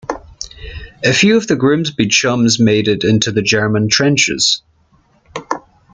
A few of the Grimsby Chums made it into the German trenches.